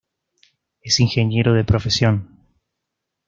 Es ingeniero de profesión.